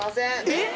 えっ！？